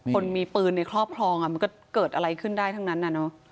คนมีปืนในครอบครองมันก็เกิดอะไรขึ้นได้ทั้งนั้น